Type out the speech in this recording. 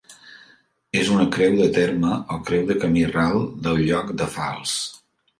És una creu de terme o creu de camí ral del lloc de Fals.